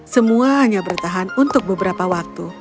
semua hanya bertahan untuk beberapa waktu